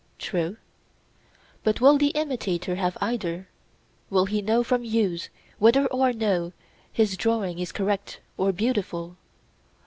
True. But will the imitator have either? Will he know from use whether or no his drawing is correct or beautiful?